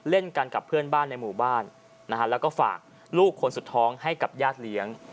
เล่นกันกับเพื่อนบ้านในหมู่บ้านนะฮะแล้วก็ฝากลูกคนสุดท้องให้กับญาติเลี้ยง